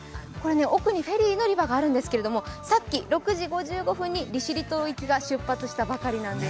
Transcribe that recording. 奥にフェリー乗り場があるんですけど、さっき６時５５分に利尻島行きが出発したばかりなんです。